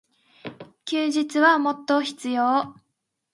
休日はもっと必要。